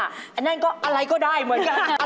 อันนั้นก็อะไรก็ได้เหมือนกัน